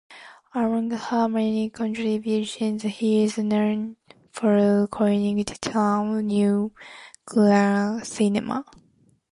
Among her many contributions, she is known for coining the term New Queer Cinema.